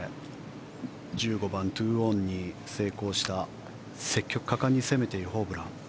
１５番、２オンに成功した積極果敢に攻めているホブラン。